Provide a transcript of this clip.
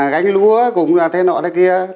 gánh lúa cũng thế nọ thế kia